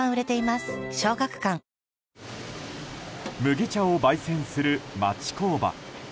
麦茶を焙煎する町工場。